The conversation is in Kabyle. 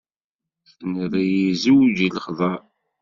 Tenniḍ-iyi zewǧ i lexḍer.